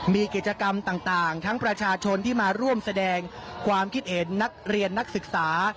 มีกิจกรรมต่างทั้งประชาชนที่มาร่วมแสดงความคิดเห็นนักเรียนนักศึกษา